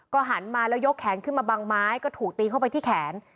หันมาแล้วยกแขนขึ้นมาบังไม้ก็ถูกตีเข้าไปที่แขน